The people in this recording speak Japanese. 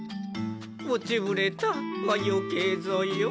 「落ちぶれた」はよけいぞよ。